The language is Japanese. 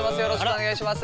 お願いします！